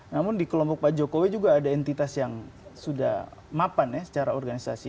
namun di kelompok pak jokowi juga ada entitas yang sudah mapan ya secara organisasi